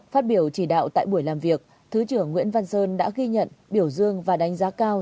phát biểu chỉ đạo tại buổi làm việc thứ trưởng nguyễn văn sơn đã ghi nhận biểu dương và đánh giá cao